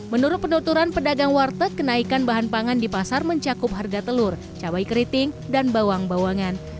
menurut pendoturan pedagang warteg kenaikan bahan pangan di pasar mencakup harga telur cabai keriting dan bawang bawangan